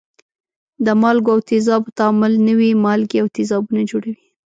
د مالګو او تیزابو تعامل نوي مالګې او تیزابونه جوړوي.